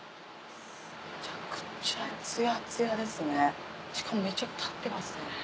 めちゃくちゃツヤツヤですねしかもめっちゃ立ってますね。